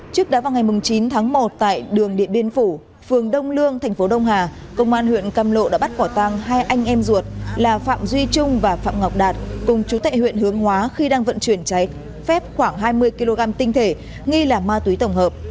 trước đó vào ngày chín tháng một tại đường điện biên phủ phường đông lương thành phố đông hà công an huyện cam lộ đã bắt quả tang hai anh em ruột là phạm duy trung và phạm ngọc đạt cùng chú tệ huyện hướng hóa khi đang vận chuyển cháy phép khoảng hai mươi kg tinh thể nghi là ma túy tổng hợp